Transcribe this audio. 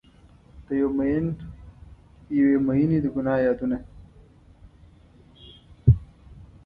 د یو میین یوې میینې د ګناه یادونه